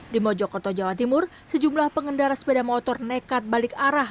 di mojokerto jawa timur sejumlah pengendara sepeda motor nekat balik arah